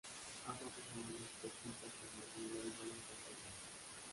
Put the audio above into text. Ambas usan la música escrita por Manuel Álvarez Rentería.